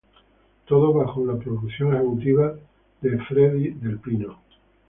Todo bajo la producción ejecutiva de Fredy del Pino.